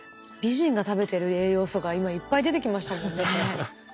美人が食べてる栄養素が今いっぱい出てきましたもんね。